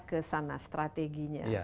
ke sana strateginya